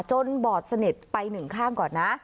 บอดสนิทไปหนึ่งข้างก่อนนะ